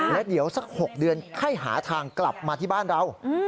แล้วเดี๋ยวสัก๖เดือนไข้หาทางกลับมาที่บ้านเรา